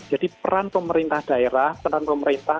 jadi peran pemerintah daerah peran pemerintah